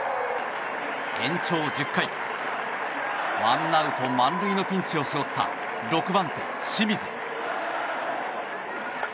延長１０回、ワンアウト満塁のピンチを背負った６番手、清水。